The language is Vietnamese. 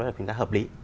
là hợp lý